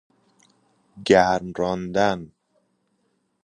گرم راندن